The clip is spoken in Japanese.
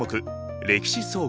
「歴史総合」。